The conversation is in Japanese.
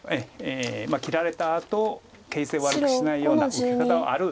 切られたあと形勢悪くしないような受け方はある。